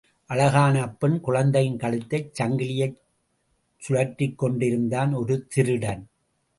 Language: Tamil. அழகான அப்பெண் குழந்தையின் கழுத்துச் சங்கிலியைக் கழற்றிக்கொண்டிருந்தான் ஒரு திருடன்!